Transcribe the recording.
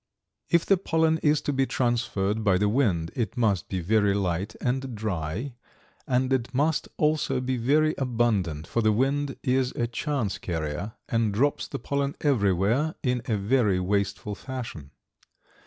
If the pollen is to be transferred by the wind it must be very light and dry, and it must also be very abundant, for the wind is a chance carrier and drops the pollen everywhere in a very wasteful fashion.